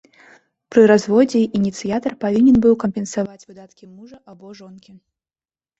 Пры разводзе ініцыятар павінен быў кампенсаваць выдаткі мужа або жонкі.